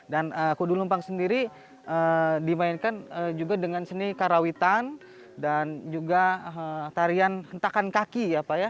dan kudu lempang sendiri dimainkan juga dengan seni karawitan dan juga tarian kentakan kaki